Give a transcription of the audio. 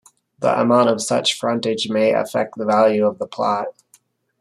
The amount of such frontage may affect the value of the plot.